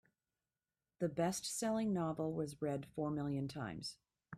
The bestselling novel was read four million times.